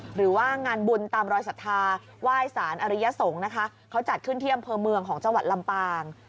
หรือว่างานบุญตามรอยศรัทธาไหว้สารอริยสงฆ์นะคะเขาจัดขึ้นที่อำเภอเมืองของจังหวัดลำปาง